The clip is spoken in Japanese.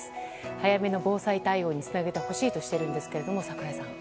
早めの防災対応につなげてほしいとしているんですが、櫻井さん。